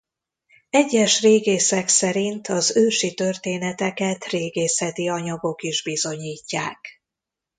Egyes régészek szerint az ősi történeteket régészeti anyagok is bizonyítják.